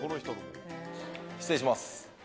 失礼します。